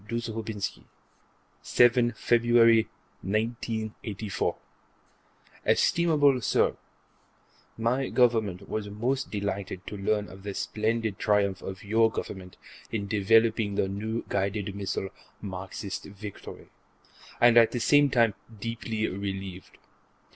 Dzhoubinsky_: 7 Feb., 1984 Estimable Sir: My Government was most delighted to learn of the splendid triumph of your Government in developing the new guided missile Marxist Victory, and at the same time deeply relieved.